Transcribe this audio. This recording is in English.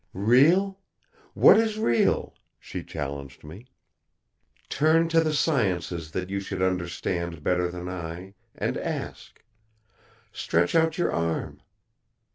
"Real? What is real?" she challenged me. "Turn to the sciences that you should understand better than I, and ask. Stretch out your arm.